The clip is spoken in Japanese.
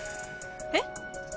えっ？